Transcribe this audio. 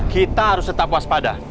kita harus tetap waspada